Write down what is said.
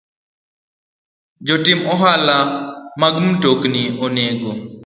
Jotim ohala mag mtokni onego